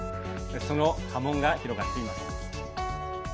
その波紋が広がっています。